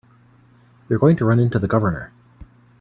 You're going to run into the Governor.